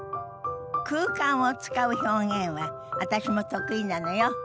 空間を使う表現は私も得意なのよ。